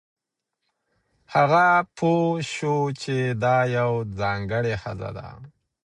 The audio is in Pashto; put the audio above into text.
هغه پوه شو چې دا یوه ځانګړې ښځه ده.